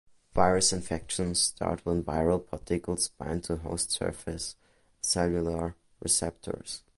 Virus infections start when viral particles bind to host surface cellular receptors.